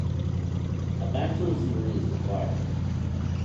A bachelor's degree is required.